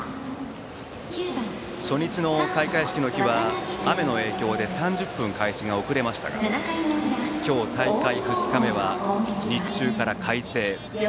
初日の開会式の日は雨の影響で３０分開始が遅れましたが今日、大会２日目は日中から快晴。